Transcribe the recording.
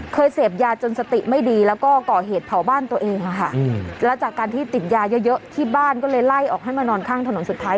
เสพยาจนสติไม่ดีแล้วก็ก่อเหตุเผาบ้านตัวเองค่ะแล้วจากการที่ติดยาเยอะเยอะที่บ้านก็เลยไล่ออกให้มานอนข้างถนนสุดท้าย